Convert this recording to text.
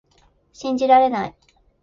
信じられない